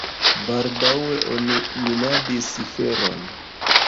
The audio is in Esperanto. Baldaŭe oni minadis feron.